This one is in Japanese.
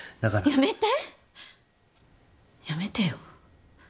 やめて、やめてよ。